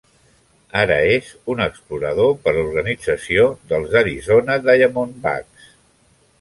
Ara és un explorador per l'organització dels Arizona Diamondbacks.